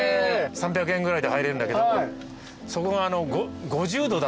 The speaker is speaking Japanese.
３００円ぐらいで入れるんだけどそこが。